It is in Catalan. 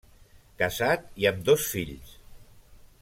Casat i amb dos fills.